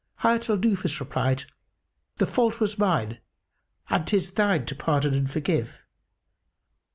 Hayat al Nufus replied, "The fault was mine, and 'tis thine to pardon and forgive.